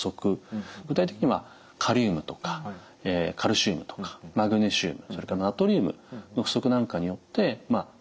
具体的にはカリウムとかカルシウムとかマグネシウムそれからナトリウムの不足なんかによって足がつってしまいやすくなります。